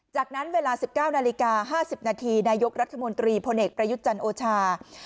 จากนั้นเวลาสิบเก้านาฬิกาห้าสิบนาทีนายกรัฐมนตรีพลเนกประยุทธ์จันทร์โอชา